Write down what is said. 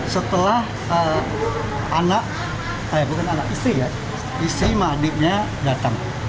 setelah anak eh bukan anak istri ya istri ma'adiknya datang